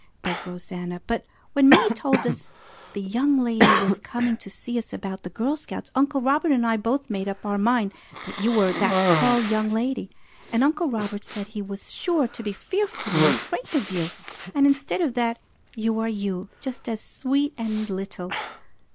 begged Rosanna, "but when Minnie told us the young lady was coming to see me about the Girl Scouts, Uncle Robert and I both made up our mind that you were that tall young lady. And Uncle Robert said he was sure to be fearfully afraid of you. And instead of that, you are you, just as sweet and little!